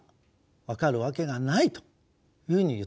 分かるわけがないというふうに言ったんですね。